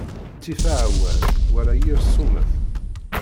Ttif aɛwaz wala yir summet.